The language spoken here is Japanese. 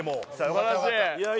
よかったよかった。